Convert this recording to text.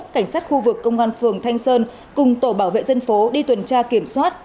cảnh sát khu vực công an phường thanh sơn cùng tổ bảo vệ dân phố đi tuần tra kiểm soát